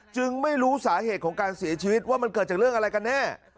ไม่รู้สาเหตุของการเสียชีวิตว่ามันเกิดจากเรื่องอะไรกันแน่